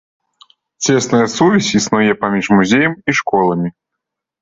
Цесная сувязь існуе паміж музеем і школамі.